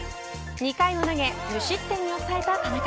２回を投げ無失点に抑えた田中。